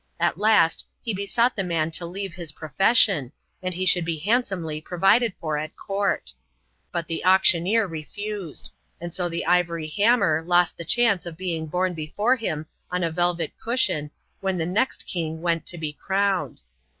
At last he besought the man to leave his profession, and he should be handsomely provided for at court. But the auctioneer refused ; and so the ivory hammer lost the chance of being borne before him on a velvet cushion, when the next king went to be crowned.